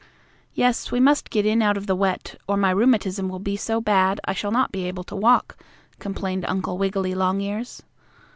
"Yes, we must get in out of the wet, or my rheumatism will be so bad I shall not be able to walk," complained Uncle Wiggily Longears.